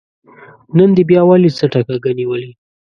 نن دې بيا ولې څټه کږه نيولې ده